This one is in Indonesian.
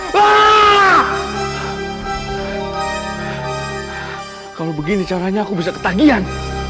wah kalau begini caranya aku bisa ketagihan